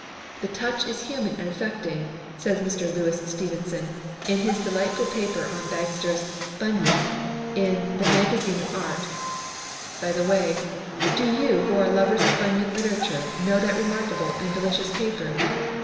"The touch is human and affecting," says Mr. Louis Stevenson, in his delightful paper on Bagster's "Bunyan," in the Magazine of Art. By the way, do you who are lovers of Bunyan literature know that remarkable and delicious paper?